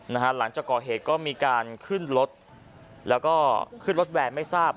หลังจากก่อเหตุก็มีการขึ้นรถแล้วก็ขึ้นรถแวร์ไม่ทราบ